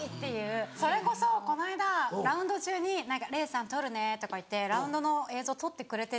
それこそこの間ラウンド中に「玲さん撮るね」とか言ってラウンドの映像撮ってくれてて。